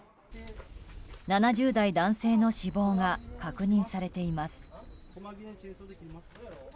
７０代男性の死亡が確認されています。